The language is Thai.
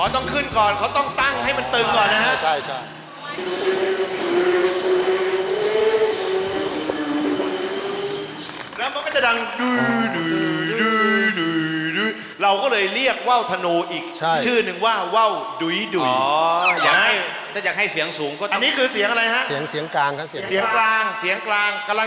ต้องขึ้นก่อนเขาต้องตั้งให้มันตึงก่อนนะครับ